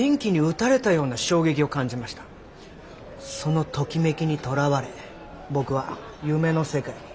そのときめきにとらわれ僕は夢の世界にいる。